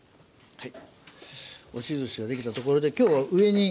はい。